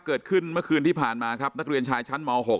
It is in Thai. เกิดขึ้นเมื่อคืนที่ผ่านมาครับนักเรียนชายชั้นม๖